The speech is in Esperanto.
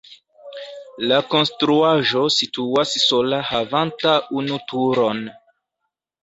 La konstruaĵo situas sola havanta unu turon.